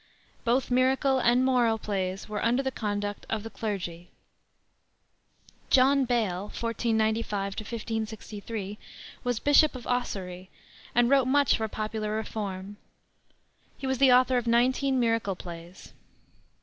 Both miracle and moral plays were under the conduct of the clergy. John Bale (1495 1563) was Bishop of Ossory, and wrote much for popular reform. He was the author of nineteen miracle plays.